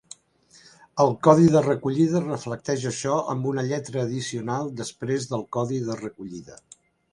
El codi de recollida reflecteix això amb una lletra addicional després del codi de recollida.